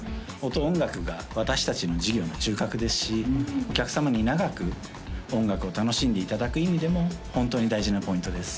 音音楽が私達の事業の中核ですしお客様に長く音楽を楽しんでいただく意味でもホントに大事なポイントです